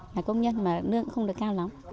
là công nhân mà nương không được cao lắm